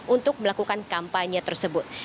untuk melakukan kampanye tersebut